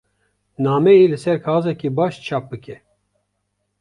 Nameyê li ser kaxezeke baş çap bike.